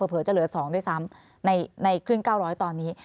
เผลจะเหลือ๒ด้วยซ้ำในครึ่ง๙๐๐ตอนนี้